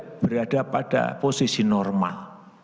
kita berada pada posisi normal